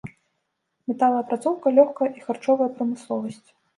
Металаапрацоўка, лёгкая і харчовая прамысловасць.